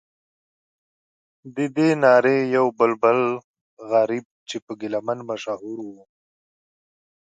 ددې نارې یو بلبل غریب چې په ګیله من مشهور و.